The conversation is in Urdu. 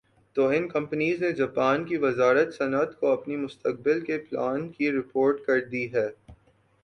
تو ان کمپنیز نےجاپان کی وزارت صنعت کو اپنے مستقبل کے پلان کی رپورٹ کر دی ھے